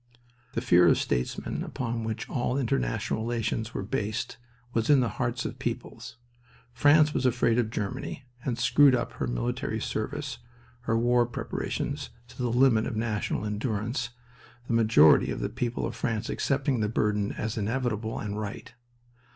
The fear of statesmen, upon which all international relations were based, was in the hearts of peoples. France was afraid of Germany and screwed up her military service, her war preparations, to the limit of national endurance, the majority of the people of France accepting the burden as inevitable and right.